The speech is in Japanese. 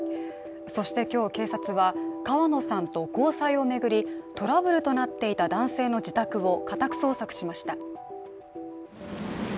そして今日、警察は川野さんと交際を巡りトラブルとなっていた男性の自宅を家宅捜索しました。